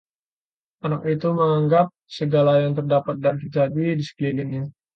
anak itu menanggap segala yang terdapat dan terjadi di sekelilingnya